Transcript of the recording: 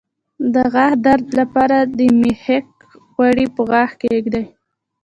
د غاښ درد لپاره د میخک غوړي په غاښ کیږدئ